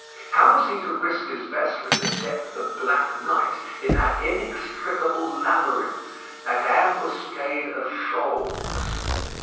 How was he to risk his vessel in the depth of black night in that inextricable labyrinth, that ambuscade of shoals?